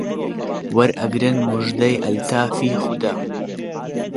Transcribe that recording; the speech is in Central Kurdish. وەرئەگرن موژدەی ئەلتافی خودا